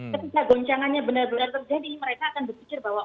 ketika goncangannya benar benar terjadi mereka akan berpikir bahwa